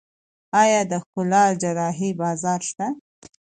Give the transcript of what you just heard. آیا د ښکلا جراحي بازار شته؟